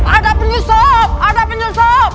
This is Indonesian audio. ada penyusup ada penyusup